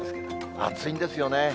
暑いんですよね。